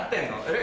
え？